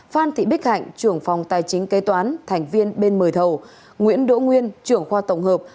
phan thị bích hạnh trưởng phòng tài chính kế toán thành viên bên mời thầu nguyễn đỗ nguyên trưởng khoa tổng hợp